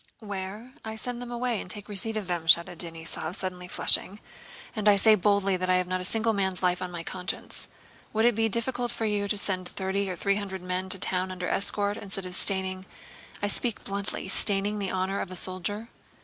"Where? I send them away and take a weceipt for them," shouted Denísov, suddenly flushing. "And I say boldly that I have not a single man's life on my conscience. Would it be difficult for you to send thirty or thwee hundwed men to town under escort, instead of staining—I speak bluntly—staining the honor of a soldier?"